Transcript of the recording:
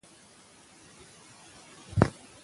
مېلې د ټولنیزي برابرۍ احساس پیاوړی کوي.